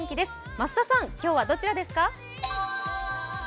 増田さん、今日はどちらですか？